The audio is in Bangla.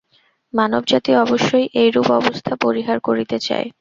মানবজাতি অবশ্যই এইরূপ অবস্থা পরিহার করিতে চায়।